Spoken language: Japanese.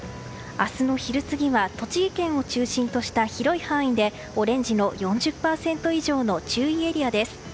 明日の昼過ぎは栃木県を中心とした広い範囲でオレンジの４０％以上の注意エリアです。